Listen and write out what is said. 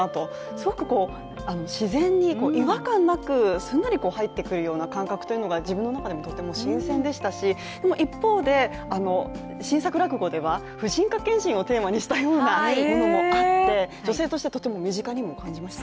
すごく自然に違和感なく、すんなり入ってくるような感覚が自分の中でもとても新鮮でしたし一方で、新作落語では婦人科検診をテーマにしたようなものもあって女性として、とても身近にも感じました。